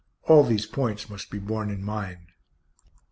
All these points must be borne in mind.